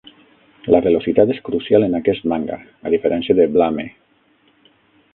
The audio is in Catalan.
La velocitat és crucial en aquest manga, a diferència de Blame.